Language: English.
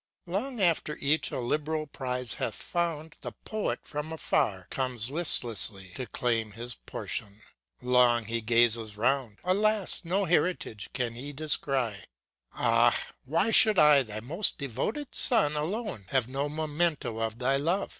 ŌĆö Long after each a liberal prize hath found, The Poet, from afar, comes listlessly. To claim his portion. Long he gazes round , Alas! no heritage can he descry. ŌĆö J. C. F. von SCHILLER, 205 ŌĆ×Ah! why should I, thy most devoted son, Alone, have no memento of thy love?"